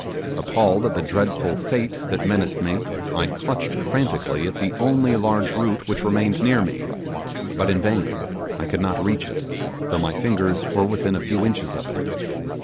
Appalled at the dreadful fate that menaced me, I clutched frantically at the only large root which remained near me, but in vain; I could not reach it, though my fingers were within a few inches of it.